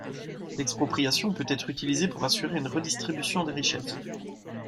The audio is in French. L'expropriation peut être utilisée pour assurer une redistribution des richesses.